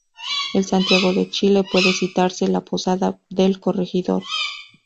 En Santiago de Chile puede citarse la Posada del Corregidor.